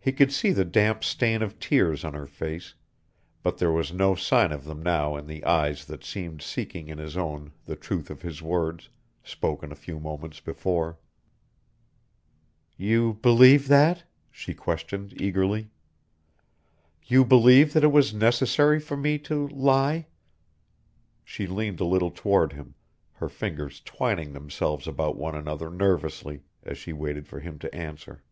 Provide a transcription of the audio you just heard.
He could see the damp stain of tears on her face, but there was no sign of them now in the eyes that seemed seeking in his own the truth of his words, spoken a few moments before. "You believe that?" she questioned eagerly. "You believe that it was necessary for me to lie?" She leaned a little toward him, her fingers twining themselves about one another nervously, as she waited for him to answer.